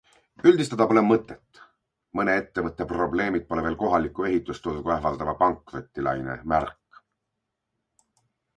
Üldistada pole mõtet, mõne ettevõtte probleemid pole veel kohalikku ehitusturgu ähvardava pankrotilaine märk.